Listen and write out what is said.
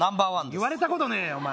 言われたことねぇよお前！